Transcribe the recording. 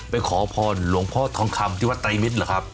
ขอพรหลวงพ่อทองคำที่วัดไตรมิตรเหรอครับ